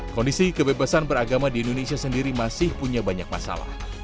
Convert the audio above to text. kondisi kebebasan beragama di indonesia sendiri masih punya banyak masalah